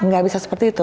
nggak bisa seperti itu